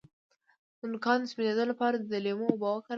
د نوکانو د سپینیدو لپاره د لیمو اوبه وکاروئ